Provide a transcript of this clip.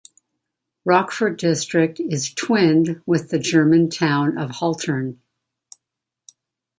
Rochford District is twinned with the German town of Haltern.